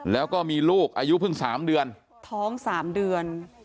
แล้วก็มีลูกอายุเพิ่ง๓เดือนท้อง๓เดือน